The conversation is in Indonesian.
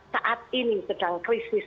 saat ini sedang krisis